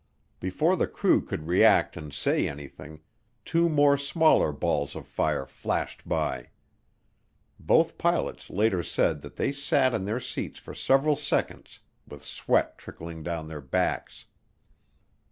Before the crew could react and say anything, two more smaller balls of fire flashed by. Both pilots later said that they sat in their seats for several seconds with sweat trickling down their backs.